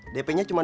dp nya cuma dua